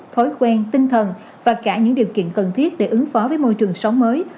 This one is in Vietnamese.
thói quen tinh thần và cả những điều kiện cần thiết để ứng phó với môi trường sống mới